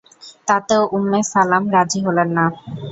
তাতেও উম্মে সালাম রাজী হলেন না।